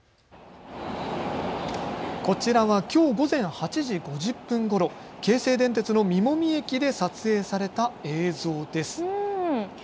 こちらはきょう午前８時５０分ごろ京成電鉄の実籾駅で撮影された映像です。